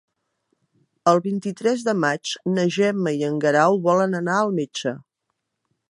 El vint-i-tres de maig na Gemma i en Guerau volen anar al metge.